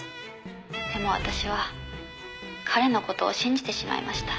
でも私は彼の事を信じてしまいました」